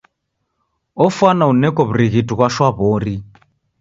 Ofwana uneko w'urighiti ghwa shwaw'ori.